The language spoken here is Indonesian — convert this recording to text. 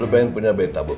loopen punya bayi tabung